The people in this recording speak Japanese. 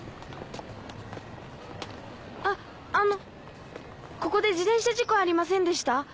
ああのここで自転車事故ありませんでした？